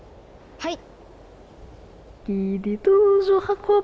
はい。